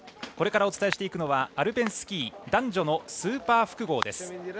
これからお伝えしていくのはアルペンスキー男女のスーパー複合です。